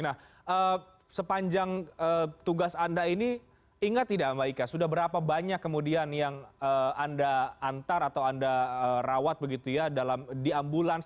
nah sepanjang tugas anda ini ingat tidak mbak ika sudah berapa banyak kemudian yang anda antar atau anda rawat begitu ya di ambulans